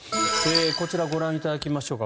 こちらをご覧いただきましょうか。